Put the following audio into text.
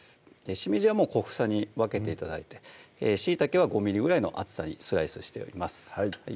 しめじは小房に分けて頂いてしいたけは５ｍｍぐらいの厚さにスライスしております